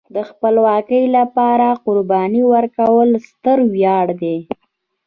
د خپلواکۍ لپاره قرباني ورکول ستر ویاړ دی.